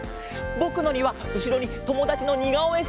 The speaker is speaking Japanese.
ぼくのにはうしろにともだちのにがおえ